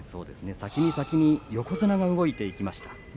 先に先に横綱が動いていきました。